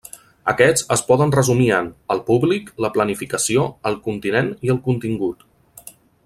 Aquests es poden resumir en: el públic, la planificació, el continent i el contingut.